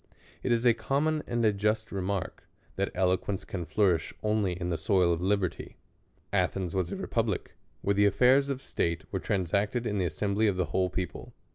It is a common and a just remark, that eloquence can flourish only in the soil of liberty. Athens was a republic, where the affairs of state were transacted in the assembly of the whole people.